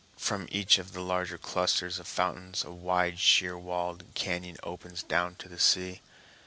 From each of the larger clusters of fountains, a wide, sheer walled cañon opens down to the sea.